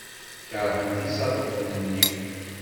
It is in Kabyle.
Keṛhent isaḍufen-nni.